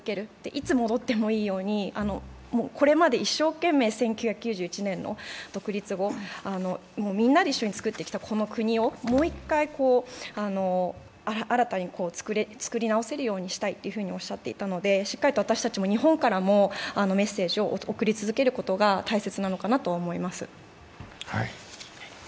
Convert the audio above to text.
いつ戻ってもいいようにこれまで一生懸命、１９９１年の独立後、みんなで一緒に作ってきたこの国をもう一回、新たに作れるようにしたいと言っていたのでしっかりと私たちも日本からもメッセージを送り続けることが大切なのかなと思います。